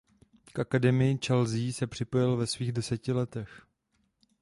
K akademii Chelsea se připojil ve svých deseti letech.